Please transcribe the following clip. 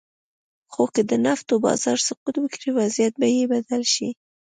خو که د نفتو بازار سقوط وکړي، وضعیت به یې بدل شي.